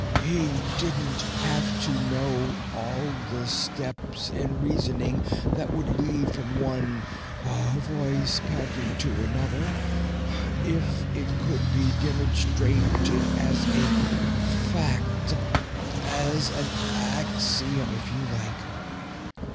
He didn't have to know all the steps in reasoning that would lead from one voice pattern to another if it could be demonstrated as a fact as an axiom, if you like.